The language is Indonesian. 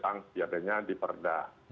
yang biasanya diperda